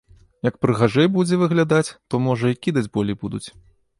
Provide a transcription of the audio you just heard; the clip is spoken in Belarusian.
Як прыгажэй будзе выглядаць, то, можа, і кідаць болей будуць.